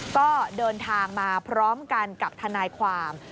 ก็เดินทางมาพร้อมกันกับทนายความ